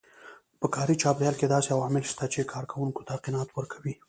په کاري چاپېريال کې داسې عوامل شته چې کار کوونکو ته قناعت ورکوي.